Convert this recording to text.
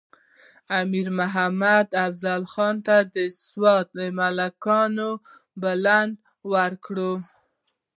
امیر محمد افضل خان د سوات ملکانو ته بلنه ورکړه.